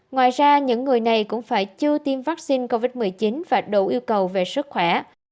ngoài ra những người này cũng phải chưa tiêm vaccine covid một mươi chín và đủ yêu cầu về sức khỏe